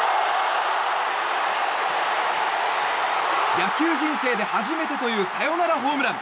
野球人生で初めてというサヨナラホームラン。